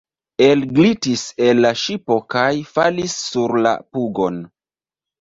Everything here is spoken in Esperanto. Elglitis el la ŝipo kaj falis sur la pugon.